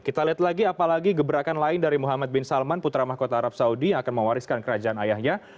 kita lihat lagi apalagi gebrakan lain dari muhammad bin salman putra mahkota arab saudi yang akan mewariskan kerajaan ayahnya